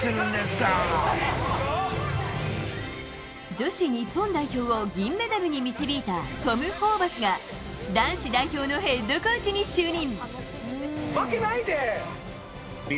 女子日本代表を銀メダルに導いたトム・ホーバスが男子代表のヘッドコーチに就任。